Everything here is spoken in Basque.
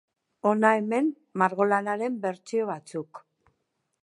Hona hemen margolanaren bertsio batzuk.